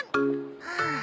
はあ。